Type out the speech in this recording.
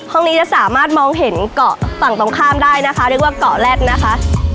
ห้องนี้จะสามารถมองเห็นเกาะฝั่งตรงข้ามได้นะคะเรียกว่าเกาะแร็ดนะคะ